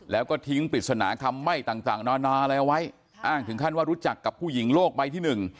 แล้วก็ทิ้งปริศนาคำไหม้ต่างนานาอะไรเอาไว้อ้างถึงขั้นว่ารู้จักกับผู้หญิงโลกใบที่หนึ่ง